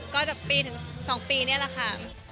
ก็ปีถึงสองปีนี่แหละค่ะ